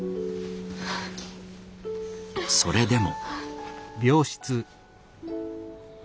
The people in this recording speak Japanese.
それでも。